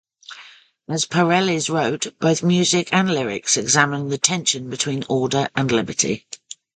As Pareles wrote, "Both music and lyrics examine the tension between order and liberty".